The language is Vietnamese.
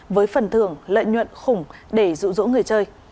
với phần thưởng lợi nhuận khủng để rủ rỗ người chơi